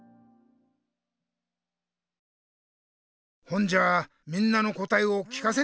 ほんじゃみんなのこたえを聞かせてくれ。